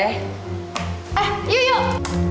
eh yuk yuk